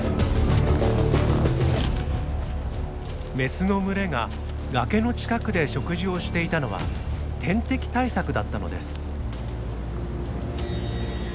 メスの群れが崖の近くで食事をしていたのは天敵対策だったのです。